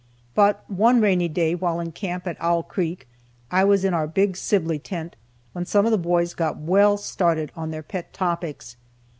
But one rainy day while in camp at Owl creek I was in our big Sibley tent when some of the boys got well started on their pet topics.